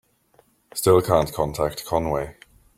Still can't contact Conway.